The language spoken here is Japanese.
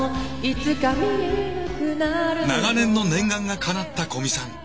長年の念願がかなった古見さん。